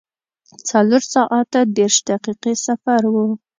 څلور ساعته دېرش دقیقې سفر و.